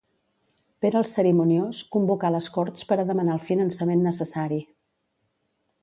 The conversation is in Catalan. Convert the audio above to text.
Pere el Cerimoniós, convocà les Corts per a demanar el finançament necessari.